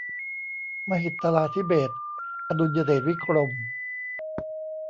มหิตลาธิเบศรอดุลยเดชวิกรม